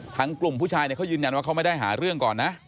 กลุ่มผู้ชายเขายืนยันว่าเขาไม่ได้หาเรื่องก่อนนะ